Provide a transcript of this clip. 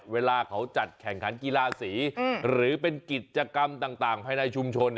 เวลาเขาจัดแข่งขันกีฬาสีหรือเป็นกิจกรรมต่างภายในชุมชน